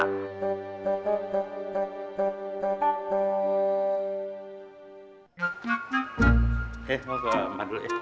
eh mau ke rumah dulu ya